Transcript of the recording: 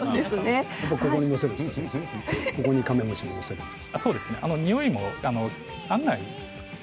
手の甲にカメムシを載せるんですか？